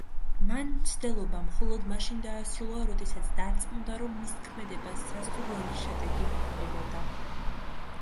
მან მცდელობა მხოლოდ მაშინ დაასრულა, როდესაც დარწმუნდა, რომ მის ქმედებას სასურველი შედეგი მოჰყვებოდა.